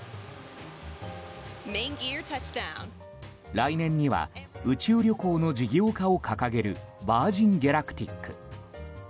来年には宇宙旅行の事業化を掲げるヴァージン・ギャラクティック。